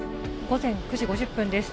午前９時５０分です。